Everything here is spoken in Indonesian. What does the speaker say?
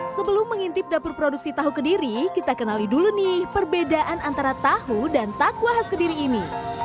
sebelum mengintip dapur produksi tahu kediri kita kenali dulu nih perbedaan antara tahu dan takwa khas kediri ini